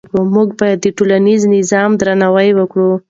موږ باید د ټولنیز نظام درناوی وکړو.